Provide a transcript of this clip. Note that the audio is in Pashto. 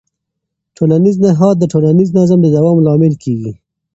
ټولنیز نهاد د ټولنیز نظم د دوام لامل کېږي.